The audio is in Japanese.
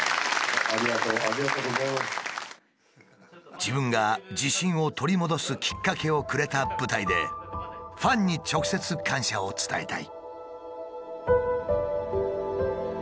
「自分が自信を取り戻すきっかけをくれた舞台でファンに直接感謝を伝えたい」。